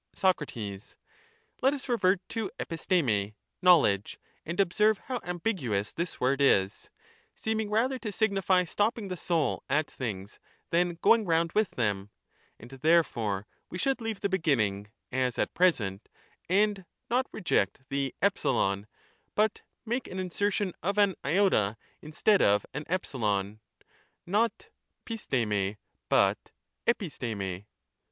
Soc. Let us revert to k ia i\\n] (knowledge), and observe 437 how ambiguous this word is, seeming rather to signify stopping the soul at things than going round with them ; and therefore we should leave the beginning as at present, and not reject the e (cp, 412 A), but make an insertion of an I instead of an e (not TTiaTrniT}, but iTTiia ijii?]).